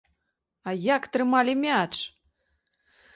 А як трымалі мяч!